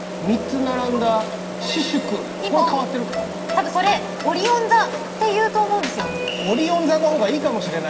多分それオリオン座っていうと思うんですよ。